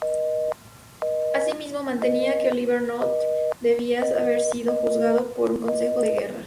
Asimismo mantenía que Oliver North debía haber sido juzgado por un consejo de guerra.